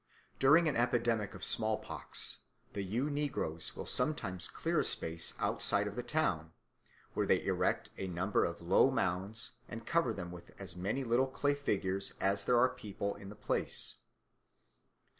During an epidemic of small pox the Ewe negroes will sometimes clear a space outside of the town, where they erect a number of low mounds and cover them with as many little clay figures as there are people in the place.